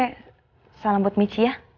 oke salam buat michi ya